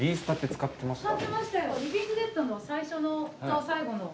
使ってましたよ。